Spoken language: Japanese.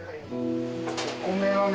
お米はね